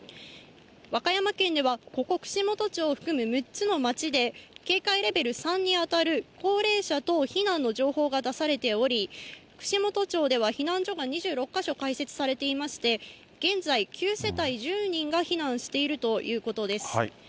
和歌山県ではここ、串本町を含む６つの町で、警戒レベル３に当たる高齢者等避難の情報が出されており、串本町では避難所が２６か所開設されていまして、現在９世帯１０人が避難しているということです。